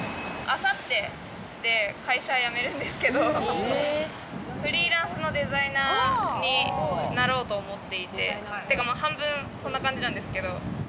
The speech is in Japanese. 明後日で会社辞めるんですけど、フリーランスのデザイナーになろうと思っていて、半分そんな感じなんですけど。